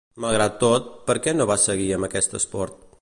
Malgrat tot, per què no va seguir amb aquest esport?